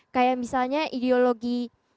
kayak misalnya ideologi